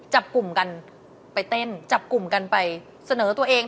จับกลุ่มกันไปเต้นจับกลุ่มกันไปเสนอตัวเอง